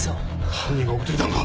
犯人が送ってきたんか？